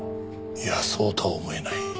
いやそうとは思えない。